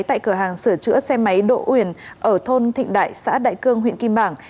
tại cửa hàng sửa chữa xe máy đỗ uyển ở thôn thịnh đại xã đại cương huyện kim bảng